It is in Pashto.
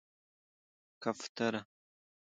🕊 کفتره